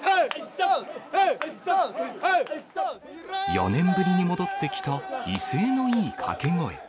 ４年ぶりに戻ってきた威勢のいい掛け声。